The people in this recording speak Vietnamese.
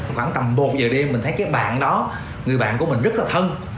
khoảng tầm một giờ đêm mình thấy cái bạn đó người bạn của mình rất là thân